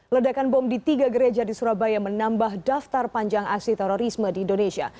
ledakan bom di tiga gereja di surabaya menambah daftar panjang aksi terorisme di indonesia